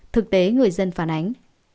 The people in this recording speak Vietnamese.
thực tế người dân phản ánh